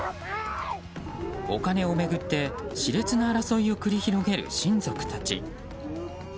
お金を巡って熾烈な争いを繰り広げる親族たち。